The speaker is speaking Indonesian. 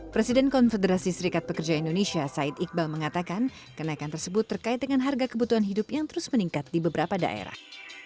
presiden konfederasi serikat pekerja indonesia said iqbal mengatakan kenaikan tersebut terkait dengan harga kebutuhan hidup yang terus meningkat di beberapa daerah